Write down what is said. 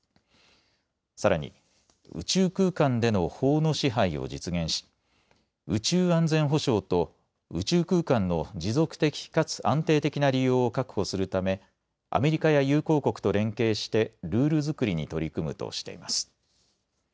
さらに宇宙空間での法の支配を実現し宇宙安全保障と宇宙空間の持続的かつ安定的な利用を確保するためアメリカや友好国と連携してルール作りに取り組むとしています。